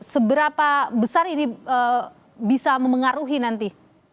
seberapa besar ini bisa memengaruhi nanti